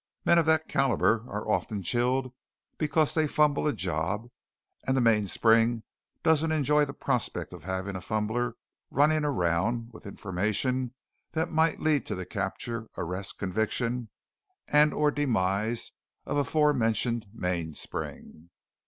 Men of that calibre are often chilled because they fumble a job and the mainspring doesn't enjoy the prospect of having a fumbler running around with information that might lead to the capture, arrest, conviction, and/or demise of aforementioned mainspring.